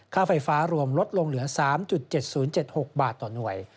ค่าไฟฟ้ารวมลดลงเหลือ๓๗๐๗๖บาทต่อหน่วย